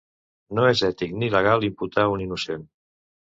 No és ètic ni legal imputar un innocent.